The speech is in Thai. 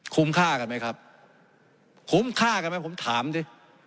ค่ากันไหมครับคุ้มค่ากันไหมผมถามสิ